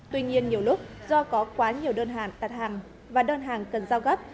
tuy nhiên nhiều lúc do có quá nhiều đơn hàng đặt hàng và đơn hàng cần giao gấp